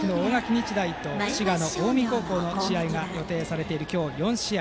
日大と滋賀の近江高校の試合が予定されている４試合。